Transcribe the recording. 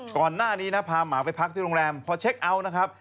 ก่อนหน้านี้นะพาหมาไปพักที่โรงแรมพอเช็คเอาท์นะครับ